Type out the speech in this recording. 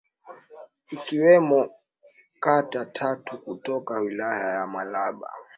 ikiwamo kata tatu kutoka Wilaya ya Muleba